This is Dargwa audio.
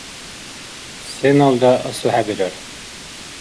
Сеналра асухӀебирар.